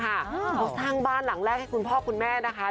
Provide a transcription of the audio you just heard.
เขาสร้างบ้านหลังแรกให้คุณพ่อคุณแม่นะคะ